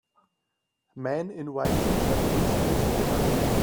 man in white tshirt with newspaper